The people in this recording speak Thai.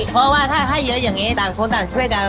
เพราะว่าถ้าให้เยอะอย่างนี้ต่างคนต่างช่วยกัน